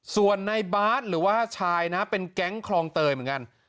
ส่วนในบาร์ดหรือว่าชายนะเป็นแก๊งคลองเตยเหมือนกัน